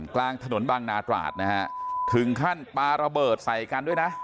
กลางถนนบางนาตราดนะฮะถึงขั้นปลาระเบิดใส่กันด้วยนะ